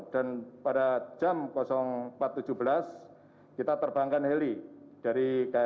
dan pada jam empat tujuh belas kita terbangkan heli dari kri nanggala